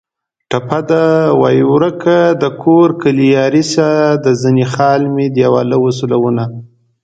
ټپه ده: ورکه دکور کلي یاري شه د زنې خال مې دېواله و سولونه